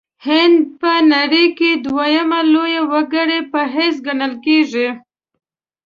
هند په نړۍ کې دویمه لویه وګړې په حیث ګڼل کیږي.